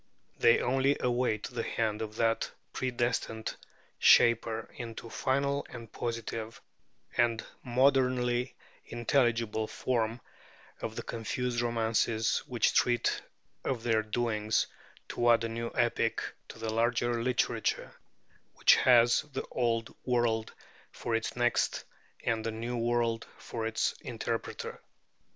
They only await the hand of that predestined shaper into final and positive and modernly intelligible form of the confused romances which treat of their doings, to add a new epic to the larger literature which has the Old World for its text and the New World for its interpreter.